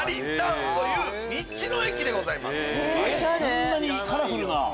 こんなにカラフルな。